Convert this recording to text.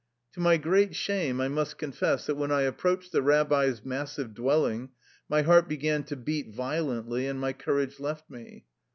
To my great shame I must confess that when I approached the rabbi's massive dwelling, my heart began to beat violently and my courage left me.